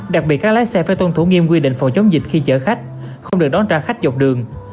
đặc biệt các lái xe phải tuân thủ nghiêm quy định phòng chống dịch khi chở khách không được đón trả khách dọc đường